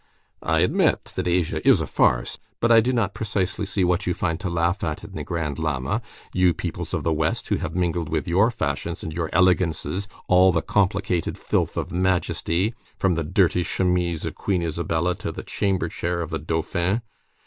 I admit that Asia is a farce; but I do not precisely see what you find to laugh at in the Grand Lama, you peoples of the west, who have mingled with your fashions and your elegances all the complicated filth of majesty, from the dirty chemise of Queen Isabella to the chamber chair of the Dauphin.